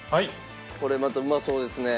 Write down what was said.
これまたうまそうですね。